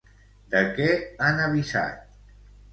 De què han avisat?